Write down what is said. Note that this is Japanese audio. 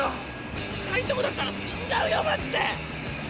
深いとこだったら死んじゃうよマジで！